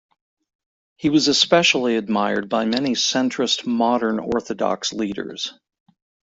He was especially admired by many centrist Modern Orthodox leaders.